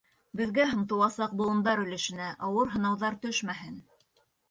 Беҙгә һәм тыуасаҡ быуындар өлөшөнә ауыр һынауҙар төшмәһен.